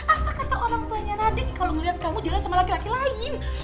apa kata orang tuanya nadik kalau melihat kamu jalan sama laki laki lain